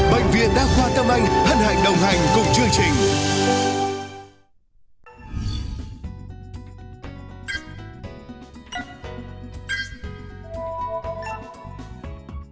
bệnh viện đa khoa tâm anh hân hạnh đồng hành cùng chương trình